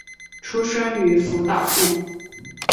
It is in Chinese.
出身于福岛县。